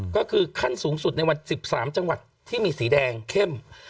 ก็คือขั้นสูงสุดในวัน๑๓จังหวัดที่มีสีแดงเข้ม